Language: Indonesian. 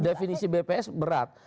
definisi bps berat